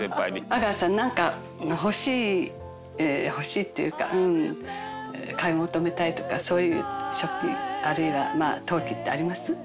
阿川さんなんか欲しい欲しいっていうかうーん買い求めたいとかそういう食器あるいはまあ陶器ってあります？